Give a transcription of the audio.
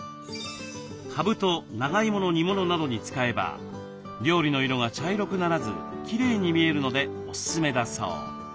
かぶと長いもの煮物などに使えば料理の色が茶色くならずきれいに見えるのでおすすめだそう。